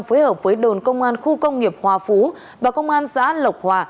phối hợp với đồn công an khu công nghiệp hòa phú và công an xã lộc hòa